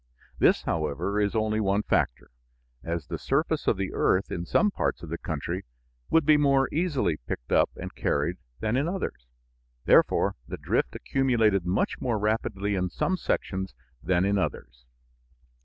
This, however, is only one factor, as the surface of the earth in some parts of the country would be more easily picked up and carried than in others; therefore, the drift accumulated much more rapidly in some sections than in others.